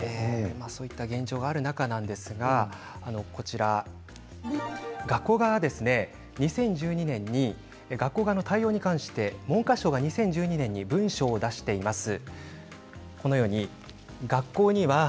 そういった現状がありますが学校側で２０１２年に学校側の対応に関して文科省から２０１２年に文書を出しました。